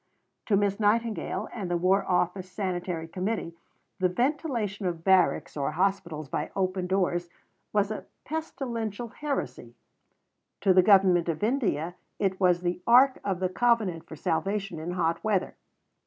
To Miss Nightingale and the War Office Sanitary Committee the ventilation of barracks or hospitals by open doors was a pestilential heresy; to the Government of India it was the ark of the covenant for salvation in hot weather.